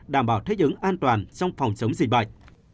đảm bảo thích ứng an toàn trong phòng chống dịch bệnh